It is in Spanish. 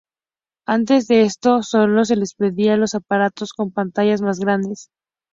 Antes de esto, sólo se les pedía a los aparatos con pantallas más grandes.